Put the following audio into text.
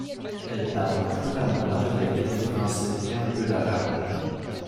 Elle parle couramment l'anglais et le français et un peu d'arabe.